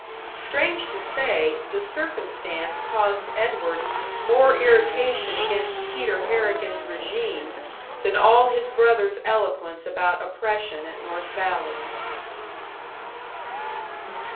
Strange to say, the circumstance caused Edward more irritation against Peter Harrigan's regime than all his brother's eloquence about oppression at North Valley.